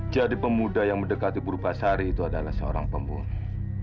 jadi pemuda yang mendekati purbasari itu adalah seorang pembunuh